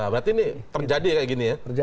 berarti ini terjadi kayak gini ya